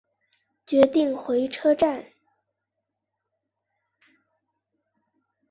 决定回车站